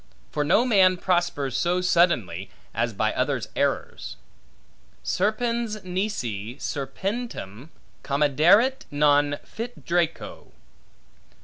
For no man prospers so suddenly, as by others' errors. Serpens nisi serpentem comederit non fit draco.